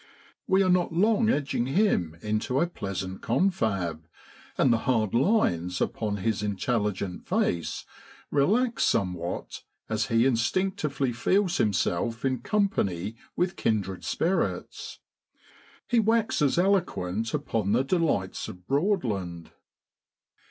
We are not long edging him into a pleasant confab, and the hard lines upon his intelligent face relax somewhat as he instinctively feels himself in company with kindred spirits. He waxes eloquent upon the delights of Broadland.